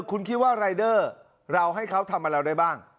คุณคิดว่ารายเดอร์เราให้เขาทำอะไรเราได้บ้าง